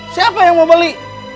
siapa yang mau beli